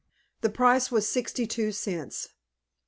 The price was sixty two cents.